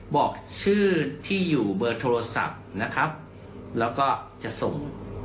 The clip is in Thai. บอกชื่อที่อยู่เบอร์โทรศัพท์นะครับแล้วก็จะส่ง